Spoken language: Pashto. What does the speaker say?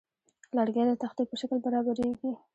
لرګی د تختې په شکل برابریږي.